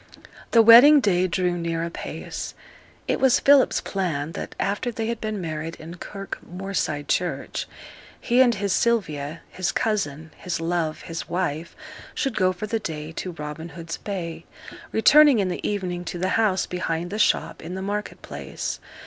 The wedding day drew near apace. It was Philip's plan that after they had been married in Kirk Moorside church, he and his Sylvia, his cousin, his love, his wife, should go for the day to Robin Hood's Bay, returning in the evening to the house behind the shop in the market place.